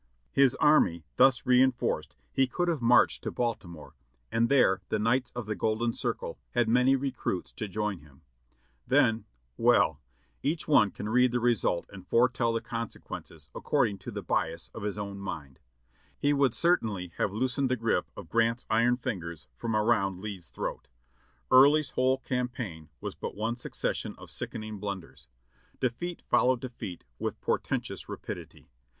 His army thus rein forced he could have marched to Baltimore, and there the Knights of the Golden Circle had many recruits to join him. Then —• well ! each one can read the result and foretell the conse 652 JOHXXY RKB AND BILLY YANK quences according to the bias of his own mind. He would cer tainly have loosened the grip of Grant's iron fingers from around Lee's throat. Early's whole campaign was but one succession of sickening blunders. Defeat followed defeat with portentous rapidity.